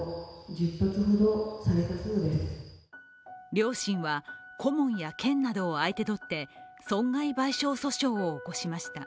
両親は顧問や県などを相手取って損害賠償訴訟を起こしました。